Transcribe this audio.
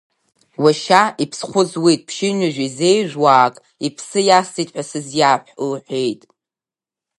Уашьа иԥсхәы зуит ԥшьынҩажәи зежәҩуаак иԥсы иасҭеит ҳәа сызиаҳә, — лҳәеит.